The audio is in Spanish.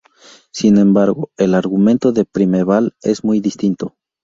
Sin embargo, el argumento de Primeval es muy distinto.